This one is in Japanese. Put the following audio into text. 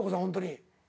ほんとに。